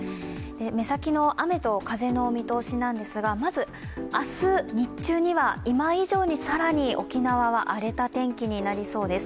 目先の雨と風の見通しなんですが、まず明日、日中には今以上に更に沖縄は荒れた天気になりそうです。